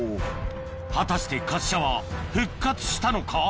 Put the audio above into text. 果たして滑車は復活したのか？